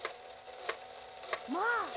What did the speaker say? まあ！